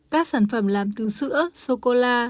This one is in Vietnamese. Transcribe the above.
các sản phẩm làm từ sữa sô cô la